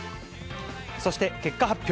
そして結果発表。